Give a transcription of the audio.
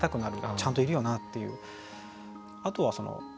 ちゃんといるよな？っていう。